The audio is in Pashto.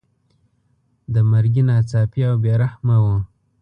د مرګي ناڅاپي او بې رحمه وو.